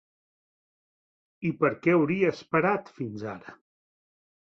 I per què hauria esperat fins ara?